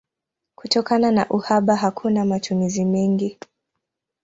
Kutokana na uhaba hakuna matumizi mengi.